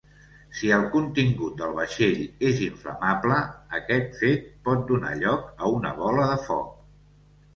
Si el contingut del vaixell és inflamable, aquest fet pot donar lloc a una "bola de foc".